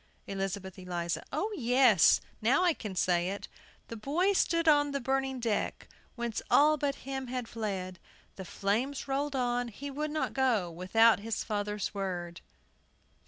ELIZABETH ELIZA. O yes. Now I can say it. "The boy stood on the burning deck, Whence all but him had fled; The flames rolled on, he would not go Without his father's word."